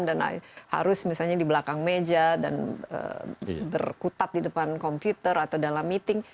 dan harus misalnya di belakang meja dan berkutat di depan komputer atau dalam meeting